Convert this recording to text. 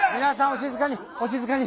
お静かにお静かに！